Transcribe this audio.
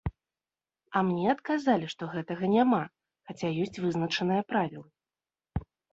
А мне адказалі, што гэтага няма, хаця ёсць вызначаныя правілы.